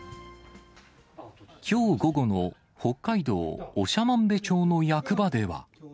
きょう午後の北海道長万部町の役場では。